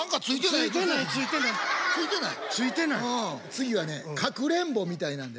次はねかくれんぼみたいなんでね。